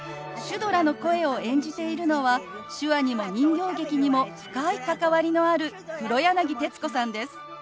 シュドラの声を演じているのは手話にも人形劇にも深い関わりのある黒柳徹子さんです。